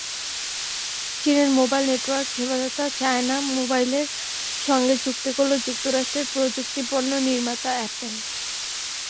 চীনের mobile network সেবাদাতা China মোবাইলের সঙ্গে চুক্তি করল যুক্তরাষ্ট্রের প্রযুক্তিপণ্য নির্মাতা অ্যাপল।